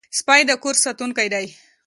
سپي د کور ساتونکي دي.